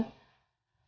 tabar tegi gue ya